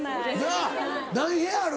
なっ何部屋ある？